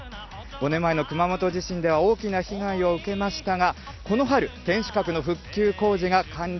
５年前の熊本地震では大きな被害を受けましたが、この春、天守閣の復旧工事が完了。